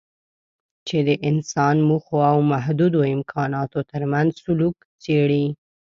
چې د انسان موخو او محدودو امکاناتو ترمنځ سلوک څېړي.